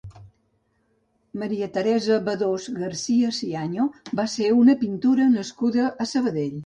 Maria Teresa Bedós Garcia-Ciaño va ser una pintora nascuda a Sabadell.